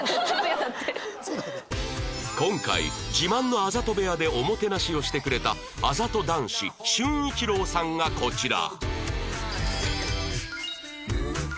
今回自慢のあざと部屋でおもてなしをしてくれたあざと男子隼一郎さんがこちら